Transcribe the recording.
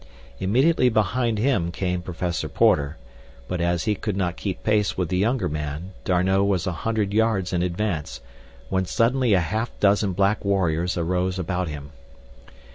Immediately behind him came Professor Porter, but as he could not keep pace with the younger man D'Arnot was a hundred yards in advance when suddenly a half dozen black warriors arose about him.